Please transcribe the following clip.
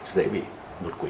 dễ bị đột quỵ